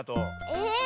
え。